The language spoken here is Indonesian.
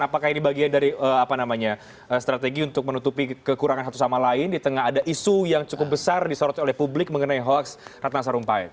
apakah ini bagian dari strategi untuk menutupi kekurangan satu sama lain di tengah ada isu yang cukup besar disorot oleh publik mengenai hoaks ratna sarumpait